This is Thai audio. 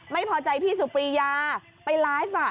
ไม่พอใจพี่สุปริยาไปร้ายฝ่า